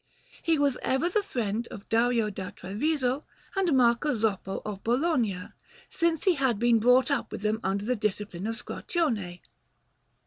He was ever the friend of Dario da Treviso and Marco Zoppo of Bologna, since he had been brought up with them under the discipline of Squarcione.